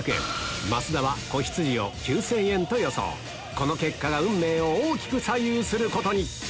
この結果が運命を大きく左右することに！